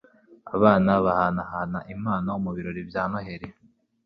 Abana bahanahana impano mubirori bya Noheri.